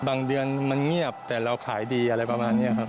เดือนมันเงียบแต่เราขายดีอะไรประมาณนี้ครับ